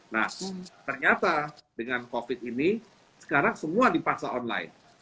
nah ternyata dengan covid ini sekarang semua dipaksa online